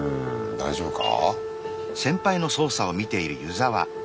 大丈夫か？